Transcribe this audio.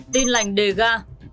tin lành đề ga